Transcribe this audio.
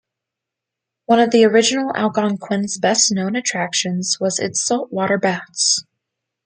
One of the original Algonquin's best known attractions was its saltwater baths.